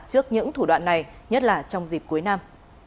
trước những thủ đoạn này nhất là trong dịp cuối năm